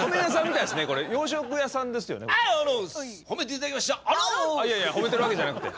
いやいや褒めてるわけじゃなくて。